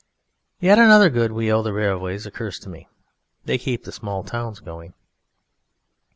Yet another good we owe to railways occurs to me. They keep the small towns going.